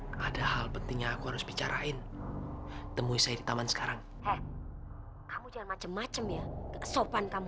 ketangan putri saya clio